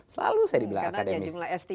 selalu saya bilang akademisi